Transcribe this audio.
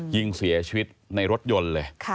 ยิงเสียชีวิตในรถยนต์เลย